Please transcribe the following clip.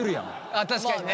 あっ確かにね。